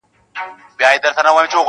• هم غښتلی ښکرور وو تر سیالانو -